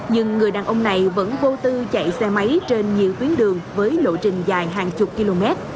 nhưng người đàn ông này vẫn vô tư chạy xe máy trên nhiều tuyến đường với lộ trình dài hàng chục km